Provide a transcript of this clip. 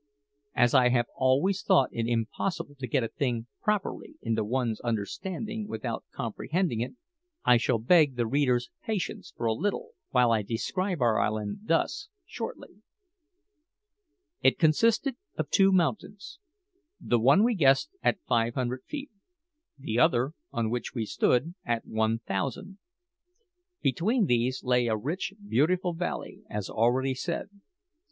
As I have always thought it impossible to get a thing properly into one's understanding without comprehending it, I shall beg the reader's patience for a little while I describe our island, thus, shortly: It consisted of two mountains: the one we guessed at five hundred feet; the other, on which we stood, at one thousand. Between these lay a rich, beautiful valley, as already said.